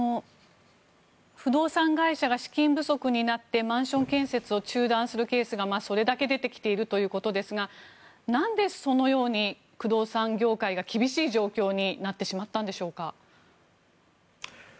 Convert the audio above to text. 不動産会社が資金不足になってマンション建設を中断するケースがそれだけ出てきているということですがなんで、そのように不動産業界が厳しい状況になってしまったんでしょうか。